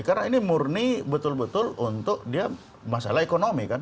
karena ini murni betul betul untuk dia masalah ekonomi kan